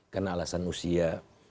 karena alasan usia